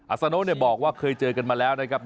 สโนบอกว่าเคยเจอกันมาแล้วนะครับ